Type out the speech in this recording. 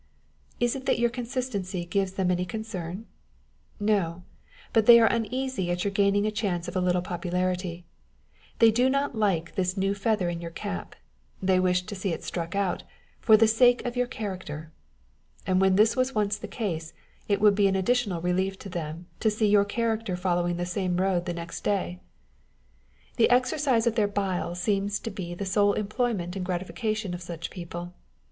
Is it that your consistency gives them any concern ? No, but they are uneasy at your gaining a chance of a little popularity â€" they do not like this new feather in your cap, they wish to see it struck out, for the sake of your character â€" and when this was once the case, it would be an additional relief to them to see your character following the same road the next day. Tho 108 "On the Spirit of Obligations. exercise of their bile seems to be the sole employment and gratification of such people.